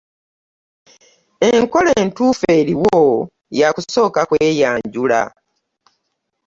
Enkola entuufu eriwo ya kusooka kweyanjula.